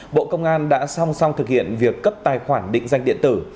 bộ công an đã song song thực hiện việc cấp tài khoản định danh điện tử